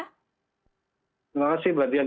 terima kasih mbak dian